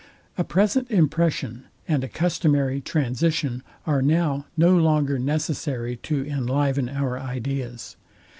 A present impression and a customary transition are now no longer necessary to enliven our ideas.